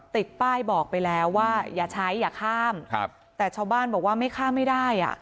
ติดป้ายบอกไปแล้วว่าอย่าใช้อย่าข้ามครับแต่ชาวบ้านบอกว่าไม่ข้ามไม่ได้อ่ะ